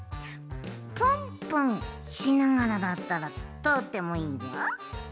プンプンしながらだったらとおってもいいよ。